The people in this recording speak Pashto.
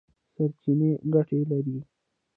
سرچینې ګټې لري.